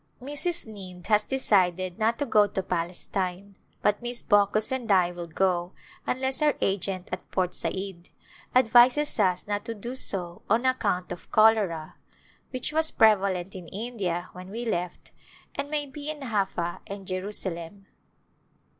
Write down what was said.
Mrs. Nind has decided not to go to Palestine but Miss Baucus and I will go unless our agent at Port Said advises us not to do so on account of cholera [ 335 ] A Glimpse of India which was prevalent in India when we left and may be in JafFa and Jerusalem.